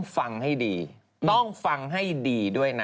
เสื้อสวย